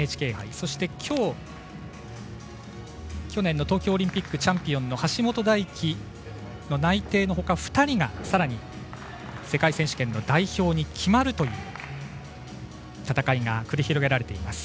そして去年の東京オリンピックチャンピオンの橋本大輝の内定のほか２人がさらに世界選手権の代表に決まるという戦いが繰り広げられています。